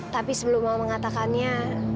tapi sebelum mama mengatakannya